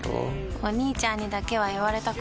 お兄ちゃんにだけは言われたくないし。